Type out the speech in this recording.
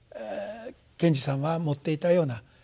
賢治さんは持っていたような。